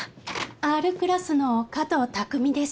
Ｒクラスの加藤匠です。